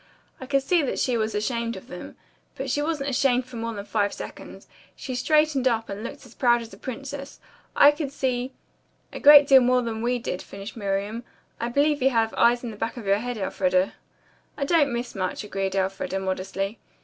I could see that she was ashamed of them. But she wasn't ashamed for more than five seconds. She straightened up and looked as proud as a princess. I could see " "A great deal more than we did," finished Miriam. "I believe you have eyes in the back of your head, Elfreda." "I don't miss much," agreed Elfreda modestly.